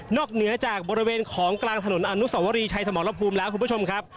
เหนือจากบริเวณของกลางถนนอนุสวรีชัยสมรภูมิแล้วคุณผู้ชมครับ